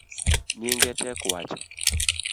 Nyinge tek wacho